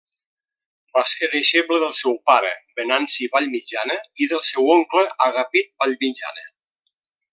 Va ser deixeble del seu pare, Venanci Vallmitjana i del seu oncle Agapit Vallmitjana.